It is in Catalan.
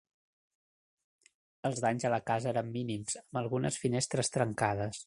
Els danys a la casa eren mínims, amb algunes finestres trencades.